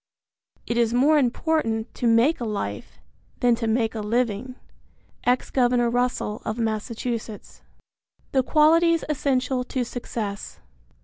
It is more important to make a life than to make a living. Ex Governor Russell of Massachusetts. I. THE QUALITIES ESSENTIAL TO SUCCESS.